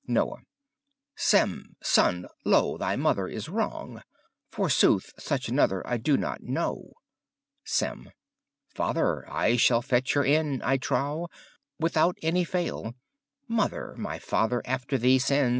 NOYE Seme, sonne, loe! thy mother is wrawe: Forsooth, such another I doe not knowe. Sem Father, I shall fetch her in, I trowe, Withoutten anye fayle. Mother, my father after thee sends.